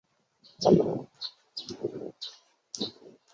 多果雪胆为葫芦科雪胆属下的一个变种。